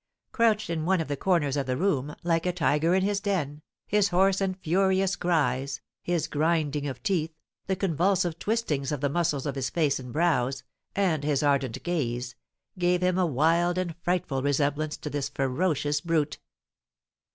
Crouched in one of the corners of the room, like a tiger in his den, his hoarse and furious cries, his grinding of teeth, the convulsive twistings of the muscles of his face and brows, and his ardent gaze, gave him a wild and frightful resemblance to this ferocious brute.